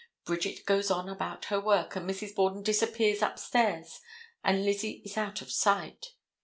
Bridget goes on about her work and Mrs. Borden disappears upstairs and Lizzie is out of sight.